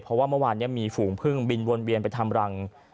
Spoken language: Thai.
เพราะว่าเมื่อวานนี้มีฝูงพึ่งบินวนเวียนไปทำรัง